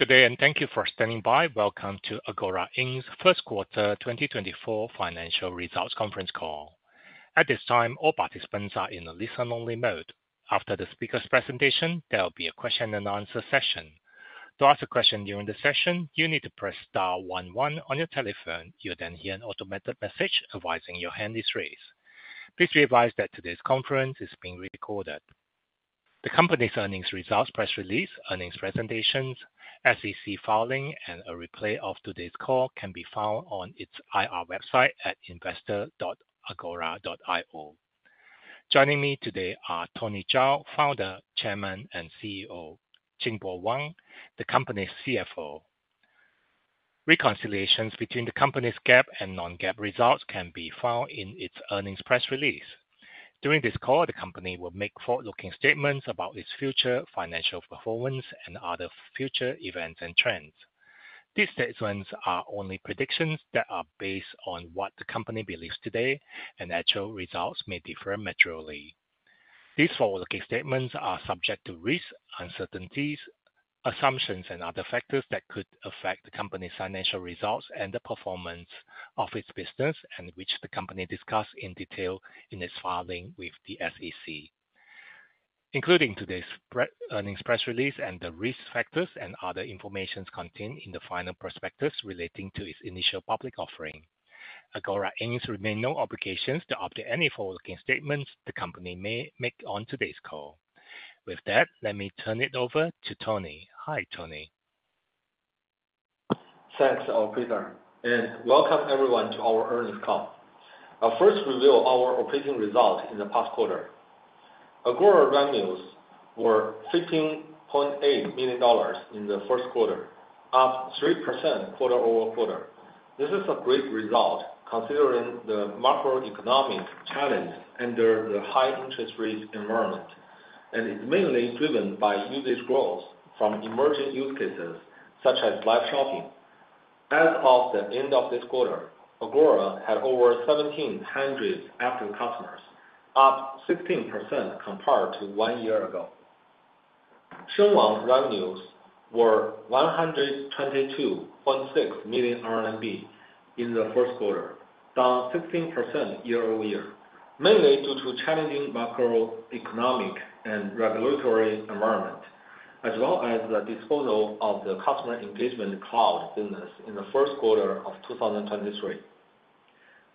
Good day, and thank you for standing by. Welcome to Agora Inc.'s first quarter 2024 financial results conference call. At this time, all participants are in a listen-only mode. After the speaker's presentation, there will be a question and answer session. To ask a question during the session, you need to press star one on your telephone. You'll then hear an automated message advising your hand is raised. Please be advised that today's conference is being recorded. The company's earnings results, press release, earnings presentations, SEC filing, and a replay of today's call can be found on its IR website at investor.agora.io. Joining me today are Tony Zhao, Founder, Chairman, and CEO, Jingbo Wang, the company's CFO. Reconciliations between the company's GAAP and non-GAAP results can be found in its earnings press release. During this call, the company will make forward-looking statements about its future financial performance and other future events and trends. These statements are only predictions that are based on what the company believes today, and actual results may differ materially. These forward-looking statements are subject to risks, uncertainties, assumptions, and other factors that could affect the company's financial results and the performance of its business, and which the company discussed in detail in its filing with the SEC, including today's pre-earnings press release and the risk factors and other information contained in the final prospectus relating to its initial public offering. Agora assumes no obligation to update any forward-looking statements the company may make on today's call. With that, let me turn it over to Tony. Hi, Tony. Thanks, Peter, and welcome everyone to our earnings call. I'll first reveal our operating results in the past quarter. Agora revenues were $15.8 million in the first quarter, up 3% quarter-over-quarter. This is a great result considering the macroeconomic challenge under the high interest rate environment, and is mainly driven by usage growth from emerging use cases such as live shopping. As of the end of this quarter, Agora had over 1,700 active customers, up 16% compared to one year ago. Shengwang's revenues were 122.6 million RMB in the first quarter, down 16% year-over-year, mainly due to challenging macroeconomic and regulatory environment, as well as the disposal of the customer engagement cloud business in the first quarter of 2023.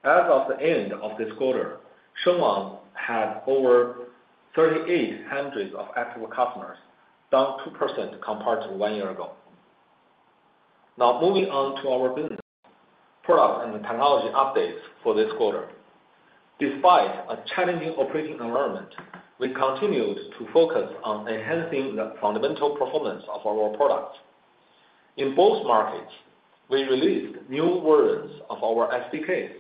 As of the end of this quarter, Shengwang had over 3,800 active customers, down 2% compared to one year ago. Now, moving on to our business, product and technology updates for this quarter. Despite a challenging operating environment, we continued to focus on enhancing the fundamental performance of our product. In both markets, we released new versions of our SDKs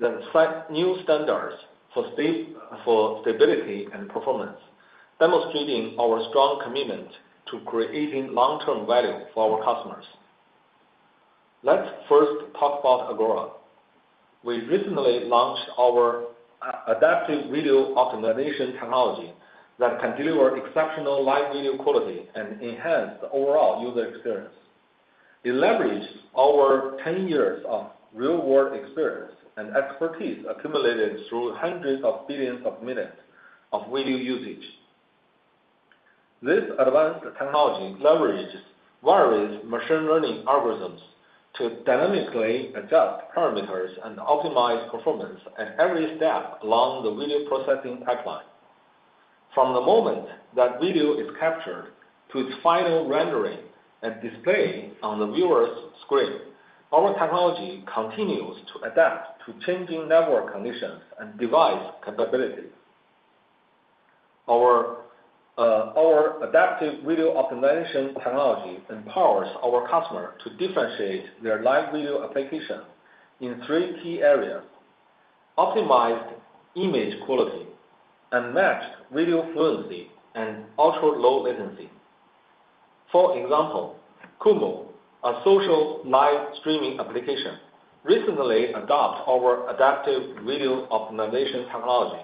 that set new standards for stability and performance, demonstrating our strong commitment to creating long-term value for our customers. Let's first talk about Agora. We recently launched our Adaptive Video Optimization technology that can deliver exceptional live video quality and enhance the overall user experience. It leverages our 10 years of real-world experience and expertise accumulated through hundreds of billions of minutes of video usage. This advanced technology leverages various machine learning algorithms to dynamically adjust parameters and optimize performance at every step along the video processing pipeline. From the moment that video is captured to its final rendering and display on the viewer's screen, our technology continues to adapt to changing network conditions and device capabilities. Our Adaptive Video Optimization technology empowers our customer to differentiate their live video application in three key areas: optimized image quality, unmatched video fluency, and ultra-low latency. For example, Kumu, a social live streaming application, recently adopt our Adaptive Video Optimization technology.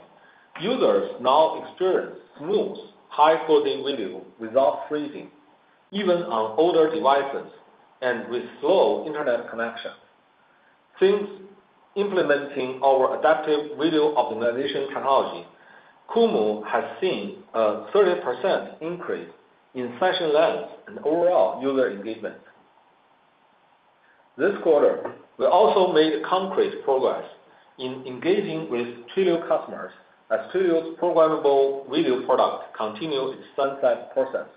Users now experience smooth, high-quality video without freezing, even on older devices and with slow internet connection. Since implementing our Adaptive Video Optimization technology, Kumu has seen a 30% increase in session length and overall user engagement. This quarter, we also made concrete progress in engaging with Twilio customers as Twilio's Programmable Video product continues its sunset process.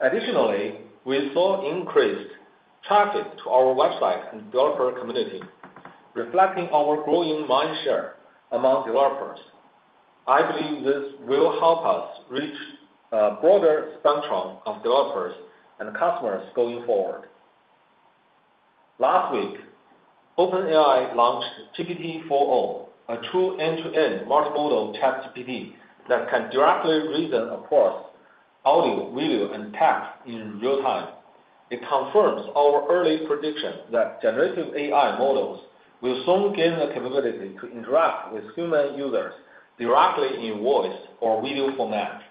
Additionally, we saw increased traffic to our website and developer community, reflecting our growing mindshare among developers. I believe this will help us reach a broader spectrum of developers and customers going forward. Last week, OpenAI launched GPT-4o, a true end-to-end multimodal ChatGPT that can directly reason across audio, video, and text in real time. It confirms our early prediction that generative AI models will soon gain the capability to interact with human users directly in voice or video format.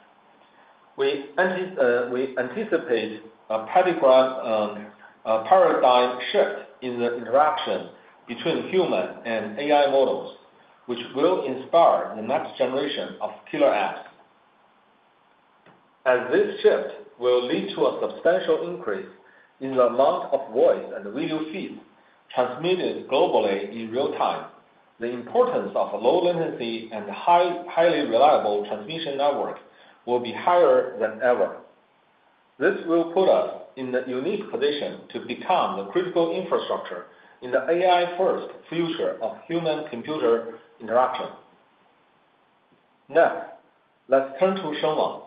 We anticipate a paradigm, a paradigm shift in the interaction between human and AI models, which will inspire the next generation of killer apps. As this shift will lead to a substantial increase in the amount of voice and video feeds transmitted globally in real time, the importance of low latency and highly reliable transmission network will be higher than ever. This will put us in the unique position to become the critical infrastructure in the AI-first future of human-computer interaction. Next, let's turn to Shengwang.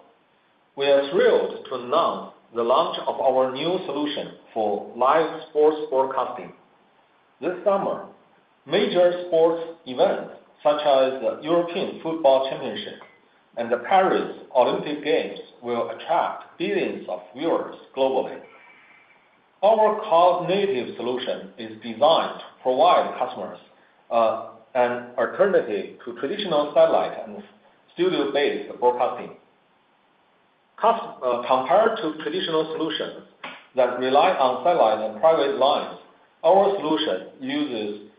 We are thrilled to announce the launch of our new solution for live sports broadcasting. This summer, major sports events such as the European Football Championship and the Paris Olympic Games will attract billions of viewers globally. Our cloud-native solution is designed to provide customers an alternative to traditional satellite and studio-based broadcasting. Compared to traditional solutions that rely on satellite and private lines, our solution uses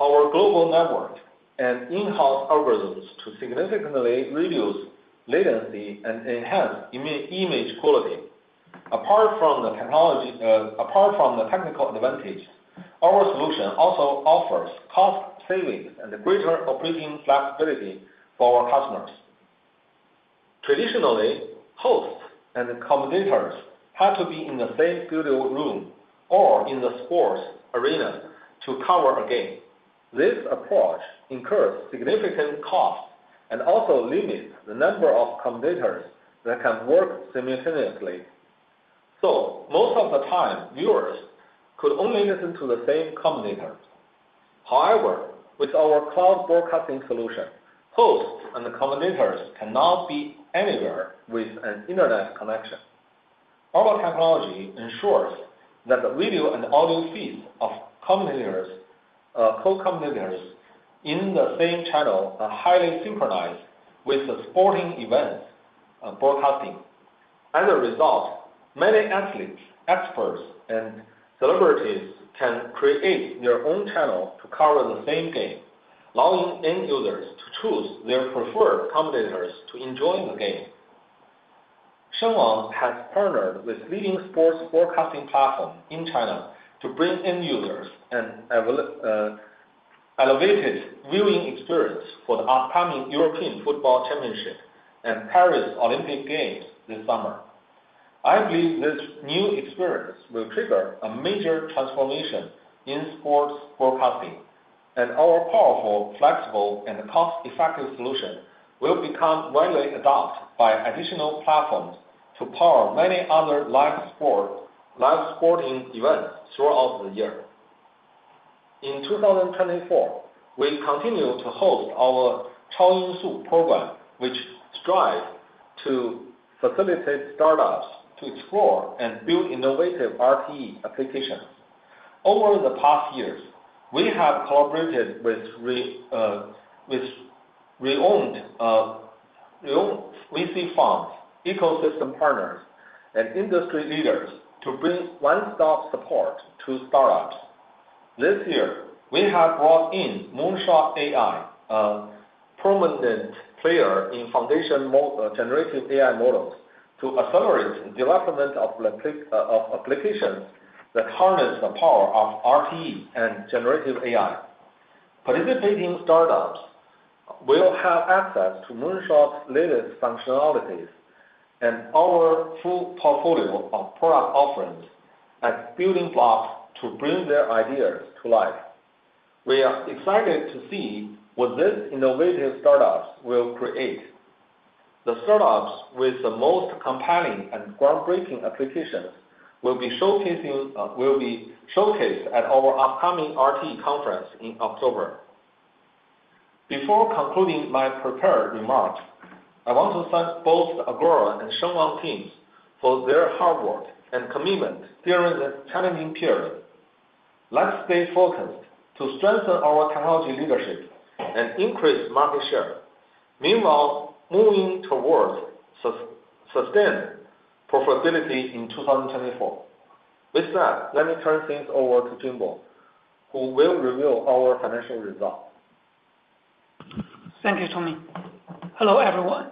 our global network and in-house algorithms to significantly reduce latency and enhance image quality. Apart from the technology, apart from the technical advantage, our solution also offers cost savings and greater operating flexibility for our customers. Traditionally, hosts and commentators had to be in the same studio room or in the sports arena to cover a game. This approach incurs significant costs and also limits the number of commentators that can work simultaneously. So most of the time, viewers could only listen to the same commentator. However, with our cloud broadcasting solution, hosts and commentators can now be anywhere with an internet connection. Our technology ensures that the video and audio feeds of commentators, co-commentators in the same channel are highly synchronized with the sporting events, broadcasting. As a result, many athletes, experts, and celebrities can create their own channel to cover the same game, allowing end users to choose their preferred commentators to enjoy the game. Shengwang has partnered with leading sports broadcasting platform in China to bring end users an elevated viewing experience for the upcoming European Football Championship and Paris Olympic Games this summer. I believe this new experience will trigger a major transformation in sports broadcasting, and our powerful, flexible, and cost-effective solution will become widely adopted by additional platforms to power many other live sporting events throughout the year. In 2024, we continued to host our Chao Yin Su program, which strives to facilitate startups to explore and build innovative RTE applications. Over the past years, we have collaborated with renowned VC funds, ecosystem partners, and industry leaders to bring one-stop support to startups. This year, we have brought in Moonshot AI, a prominent player in foundation generative AI models, to accelerate the development of applications that harness the power of RTE and generative AI. Participating startups will have access to Moonshot's latest functionalities and our full portfolio of product offerings as building blocks to bring their ideas to life. We are excited to see what these innovative startups will create. The startups with the most compelling and groundbreaking applications will be showcasing will be showcased at our upcoming RTE conference in October. Before concluding my prepared remarks, I want to thank both the Agora and Shengwang teams for their hard work and commitment during this challenging period. Let's stay focused to strengthen our technology leadership and increase market share. Meanwhile, moving towards sustained profitability in 2024. With that, let me turn things over to Jingbo, who will reveal our financial results. Thank you, Tony. Hello, everyone.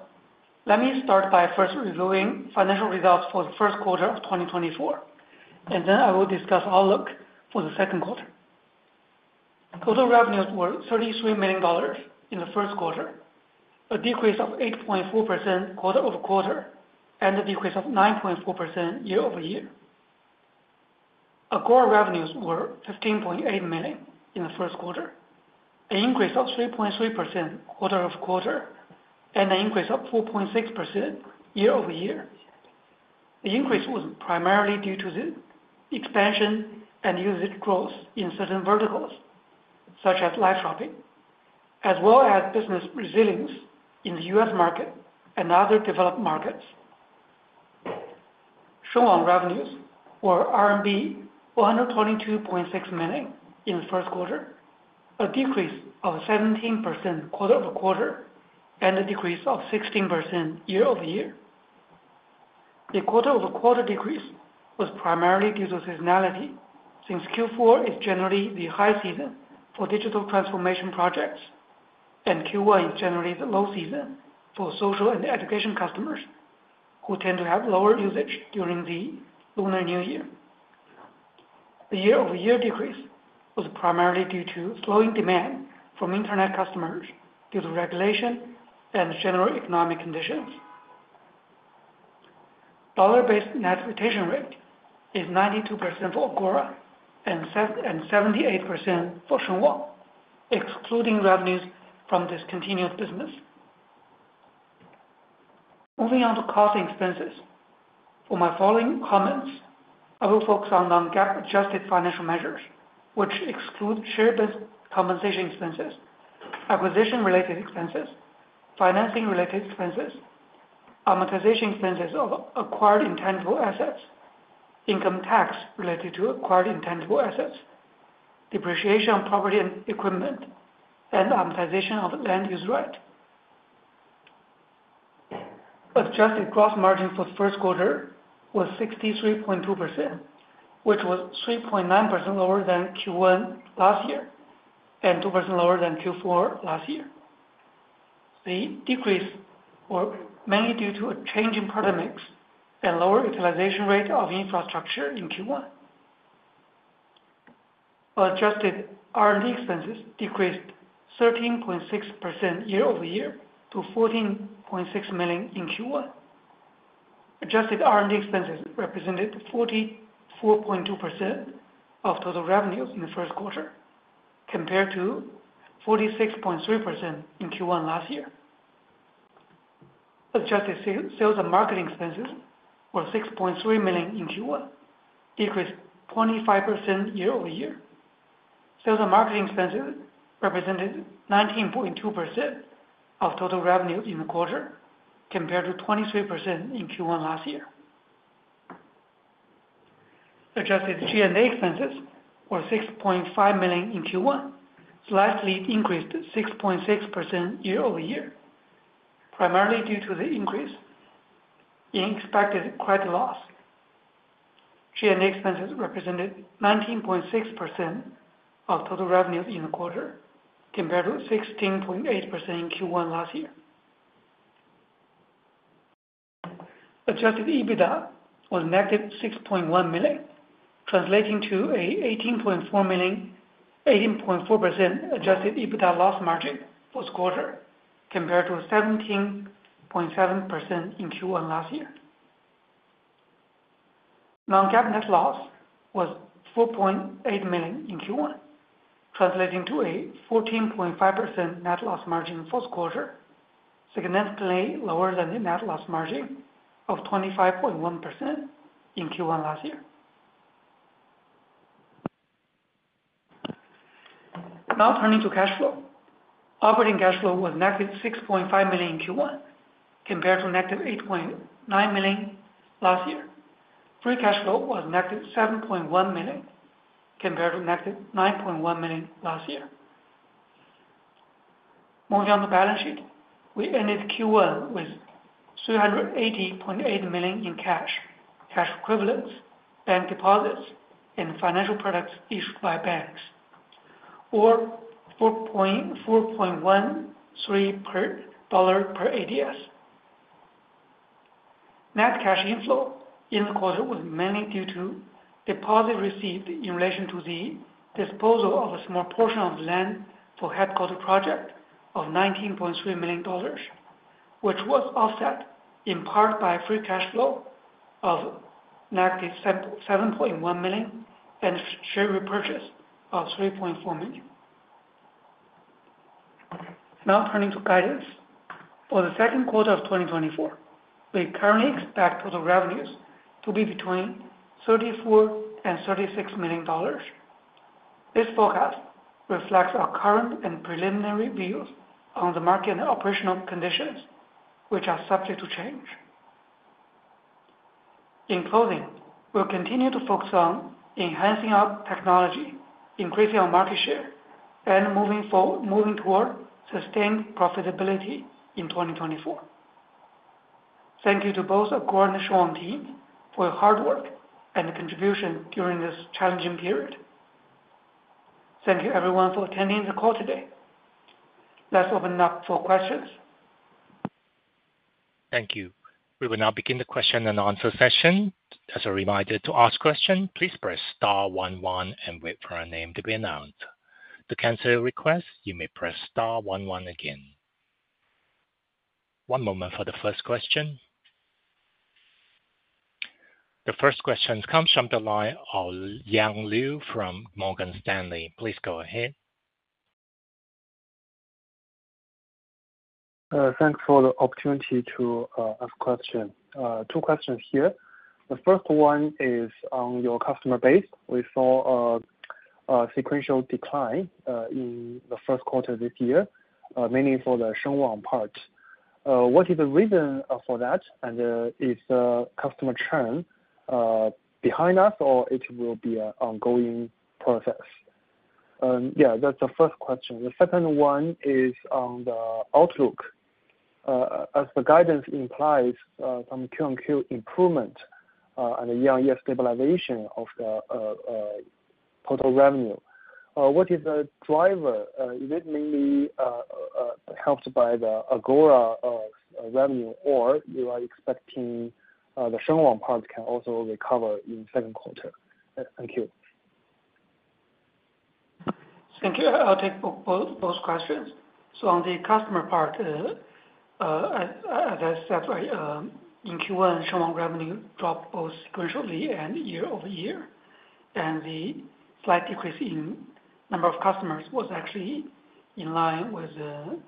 Let me start by first reviewing financial results for the first quarter of 2024, and then I will discuss outlook for the second quarter. Total revenues were $33 million in the first quarter, a decrease of 8.4% quarter-over-quarter, and a decrease of 9.4% year-over-year. Agora revenues were $15.8 million in the first quarter, an increase of 3.3% quarter-over-quarter, and an increase of 4.6% year-over-year. The increase was primarily due to the expansion and usage growth in certain verticals, such as live shopping, as well as business resilience in the US market and other developed markets.... Shengwang revenues were RMB 122.6 million in the first quarter, a decrease of 17% quarter-over-quarter, and a decrease of 16% year-over-year. The quarter-over-quarter decrease was primarily due to seasonality, since Q4 is generally the high season for digital transformation projects, and Q1 is generally the low season for social and education customers, who tend to have lower usage during the Lunar New Year. The year-over-year decrease was primarily due to slowing demand from internet customers due to regulation and general economic conditions. Dollar-based net retention rate is 92% for Agora and seventy-eight percent for Shengwang, excluding revenues from discontinued business. Moving on to cost and expenses. For my following comments, I will focus on non-GAAP adjusted financial measures, which exclude share-based compensation expenses, acquisition-related expenses, financing-related expenses, amortization expenses of acquired intangible assets, income tax related to acquired intangible assets, depreciation on property and equipment, and amortization of land use right. Adjusted gross margin for the first quarter was 63.2%, which was 3.9% lower than Q1 last year, and 2% lower than Q4 last year. The decrease were mainly due to a change in product mix and lower utilization rate of infrastructure in Q1. Adjusted R&D expenses decreased 13.6% year-over-year to $14.6 million in Q1. Adjusted R&D expenses represented 44.2% of total revenues in the first quarter, compared to 46.3% in Q1 last year. Adjusted sales and marketing expenses were $6.3 million in Q1, decreased 25% year-over-year. Sales and marketing expenses represented 19.2% of total revenue in the quarter, compared to 23% in Q1 last year. Adjusted G&A expenses were $6.5 million in Q1, slightly increased 6.6% year-over-year, primarily due to the increase in expected credit loss. G&A expenses represented 19.6% of total revenues in the quarter, compared to 16.8% in Q1 last year. Adjusted EBITDA was negative $6.1 million, translating to an 18.4% adjusted EBITDA loss margin for this quarter, compared to 17.7% in Q1 last year. Non-GAAP net loss was $4.8 million in Q1, translating to a 14.5% net loss margin in the first quarter, significantly lower than the net loss margin of 25.1% in Q1 last year. Now turning to cash flow. Operating cash flow was -$6.5 million in Q1, compared to -$8.9 million last year. Free cash flow was -$7.1 million, compared to -$9.1 million last year. Moving on to balance sheet, we ended Q1 with $380.8 million in cash, cash equivalents, bank deposits, and financial products issued by banks, or $4.13 per ADS. Net cash inflow in the quarter was mainly due to deposit received in relation to the disposal of a small portion of land for headquarters project of $19.3 million, which was offset in part by free cash flow of -$77.1 million and share repurchase of $3.4 million. Now turning to guidance. For the second quarter of 2024, we currently expect total revenues to be between $34 million and $36 million. This forecast reflects our current and preliminary views on the market and operational conditions, which are subject to change. In closing, we'll continue to focus on enhancing our technology, increasing our market share, and moving toward sustained profitability in 2024. Thank you to both Agora and Shengwang team for your hard work and contribution during this challenging period. Thank you, everyone, for attending the call today. Let's open up for questions. Thank you. We will now begin the question and answer session. As a reminder, to ask question, please press star one one and wait for your name to be announced. To cancel your request, you may press star one one again. One moment for the first question. The first question comes from the line of Yang Liu from Morgan Stanley. Please go ahead. Thanks for the opportunity to ask question. Two questions here. The first one is on your customer base. We saw sequential decline in the first quarter this year, mainly for the Shengwang part. What is the reason for that? And is the customer churn behind us, or it will be an ongoing process? Yeah, that's the first question. The second one is on the outlook. As the guidance implies, some Q on Q improvement, and a year-on-year stabilization of the total revenue. What is the driver? Is it mainly helped by the Agora revenue, or you are expecting the Shengwang part can also recover in second quarter? Thank you. Thank you. I'll take both, both questions. So on the customer part, as I said, in Q1, Shengwang revenue dropped both sequentially and year-over-year, and the slight decrease in number of customers was actually in line with the,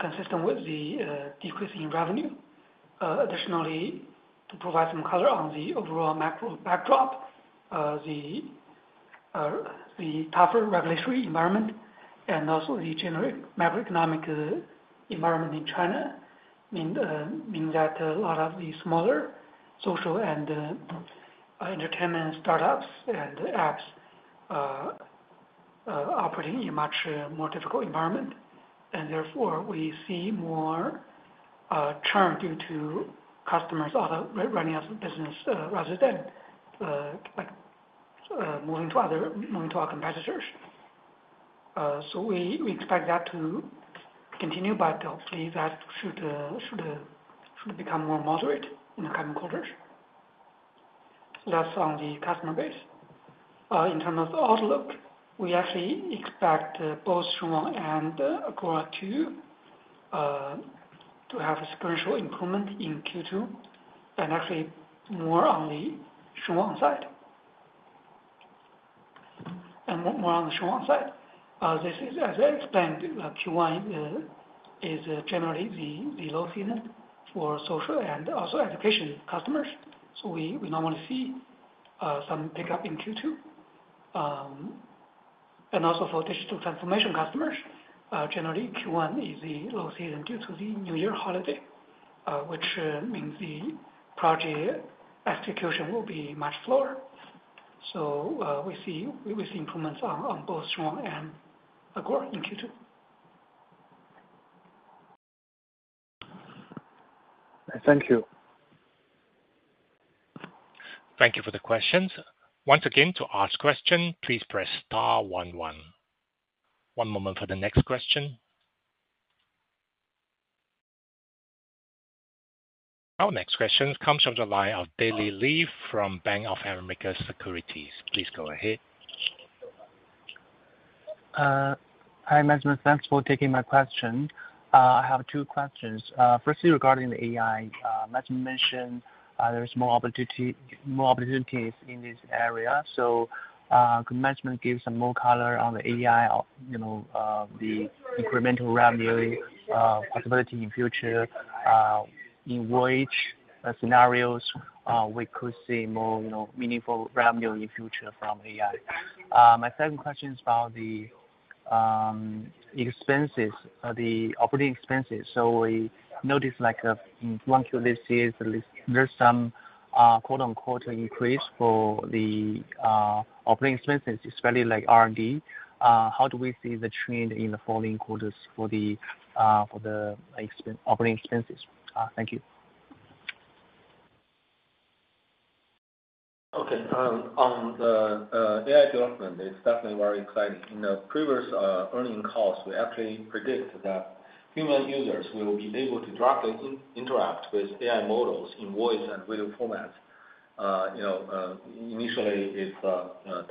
consistent with the, decrease in revenue. Additionally, to provide some color on the overall macro backdrop, the tougher regulatory environment and also the generic macroeconomic environment in China mean that a lot of the smaller social and entertainment startups and apps are operating in a much more difficult environment. And therefore, we see more churn due to customers either running out of business, rather than, like, moving to other, moving to our competitors. So we, we expect that to continue, but hopefully that should, should, should become more moderate in the coming quarters. That's on the customer base. In terms of outlook, we actually expect both Shengwang and Agora to, to have a sequential improvement in Q2, and actually more on the Shengwang side. And more, more on the Shengwang side. This is, as I explained, Q1, is generally the, the low season for social and also education customers, so we, we normally see, some pickup in Q2. And also for digital transformation customers, generally, Q1 is the low season due to the New Year holiday, which means the project execution will be much slower. So, we see, we will see improvements on, on both Shengwang and Agora in Q2. Thank you. Thank you for the questions. Once again, to ask question, please press star one one. One moment for the next question. Our next question comes from the line of Daley Li from Bank of America Securities. Please go ahead. Hi, management. Thanks for taking my question. I have two questions. Firstly, regarding the AI, as you mentioned, there is more opportunity, more opportunities in this area, so, could management give some more color on the AI, you know, the incremental revenue, possibility in future? In which scenarios we could see more, you know, meaningful revenue in future from AI? My second question is about the expenses, the operating expenses. So we noticed, like, once you list here, there's some, quote-unquote, increase for the operating expenses, especially like R&D. How do we see the trend in the following quarters for the, for the operating expenses? Thank you. Okay. On the AI development, it's definitely very exciting. In the previous earnings calls, we actually predicted that human users will be able to directly interact with AI models in voice and video formats. You know, initially, it's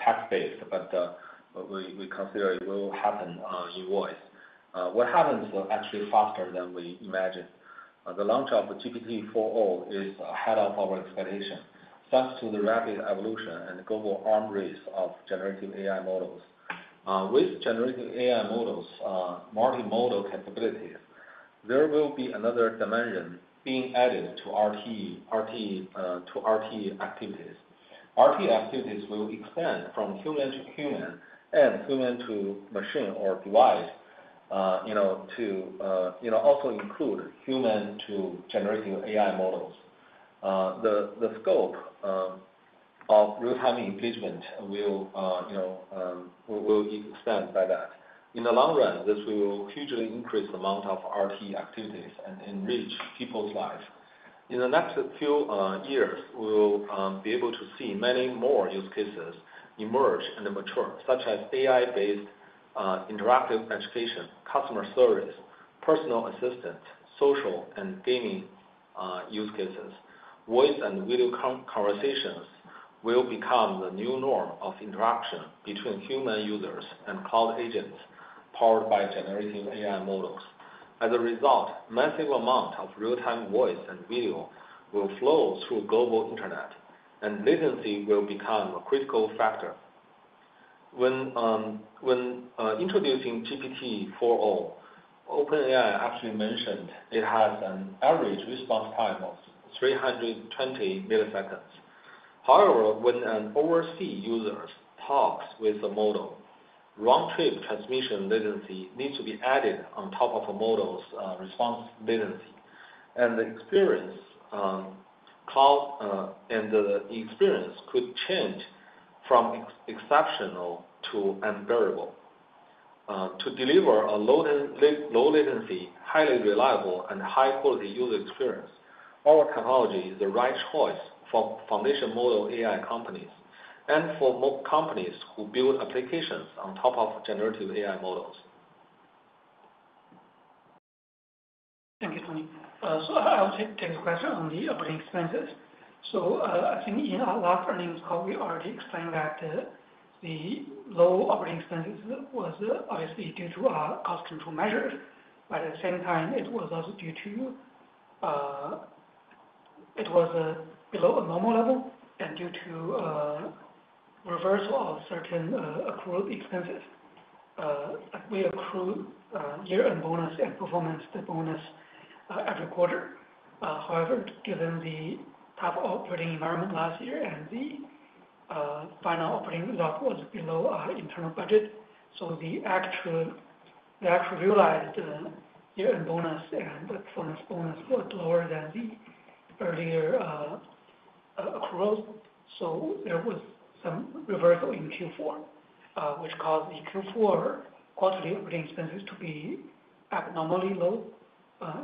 text-based, but we consider it will happen in voice. What happened was actually faster than we imagined. The launch of GPT-4o is ahead of our expectation, thanks to the rapid evolution and global arms race of generative AI models. With generative AI models' multimodal capabilities, there will be another dimension being added to RT activities. RT activities will expand from human to human and human to machine or device, you know, to also include human to generative AI models. The scope of real-time engagement will, you know, will expand by that. In the long run, this will hugely increase the amount of RT activities and enrich people's lives. In the next few years, we will be able to see many more use cases emerge and mature, such as AI-based interactive education, customer service, personal assistant, social and gaming use cases. Voice and video conversations will become the new norm of interaction between human users and cloud agents, powered by generative AI models. As a result, massive amount of real-time voice and video will flow through global internet, and latency will become a critical factor. When introducing GPT-4o, OpenAI actually mentioned it has an average response time of 320 milliseconds. However, when an overseas user talks with the model, round trip transmission latency needs to be added on top of a model's response latency. And the experience could change from exceptional to unbearable. To deliver a low latency, highly reliable, and high-quality user experience, our technology is the right choice for foundation model AI companies and for more companies who build applications on top of generative AI models. Thank you, Tony. So I'll take a question on the operating expenses. So, I think in our last earnings call, we already explained that, the low operating expenses was obviously due to our cost control measures. But at the same time, it was also due to... It was below a normal level, and due to reversal of certain accrued expenses. We accrue year-end bonus and performance bonus every quarter. However, given the tough operating environment last year and the final operating result was below our internal budget, so the actual realized year-end bonus and the performance bonus was lower than the earlier accrual. So there was some reversal in Q4, which caused the Q4 quarterly operating expenses to be abnormally low.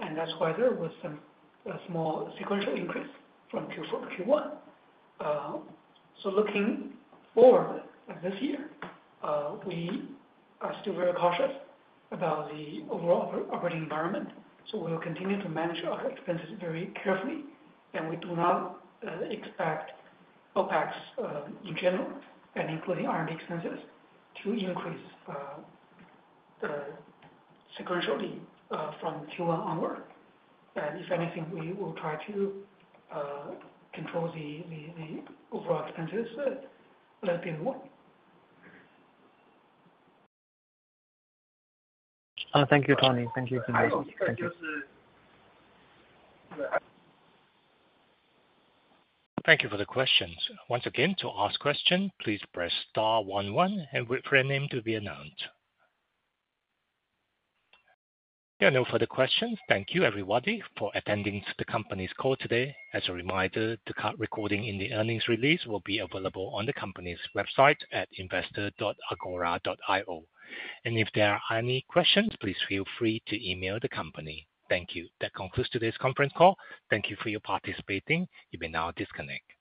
And that's why there was a small sequential increase from Q4 to Q1. So looking forward at this year, we are still very cautious about the overall operating environment, so we will continue to manage our expenses very carefully, and we do not expect OpEx, in general, and including R&D expenses, to increase sequentially from Q1 onward. And if anything, we will try to control the overall expenses uncertain. Thank you, Tony. Thank you. Thank you. Thank you. Thank you for the questions. Once again, to ask question, please press star one one and wait for your name to be announced. There are no further questions. Thank you, everybody, for attending the company's call today. As a reminder, the recording and the earnings release will be available on the company's website at investor.agora.io. If there are any questions, please feel free to email the company. Thank you. That concludes today's conference call. Thank you for your participation. You may now disconnect.